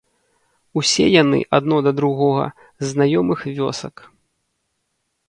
Усе яны, адно для другога, з знаёмых вёсак.